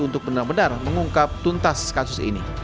untuk benar benar mengungkap tuntas kasus ini